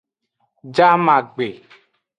Jamagbe.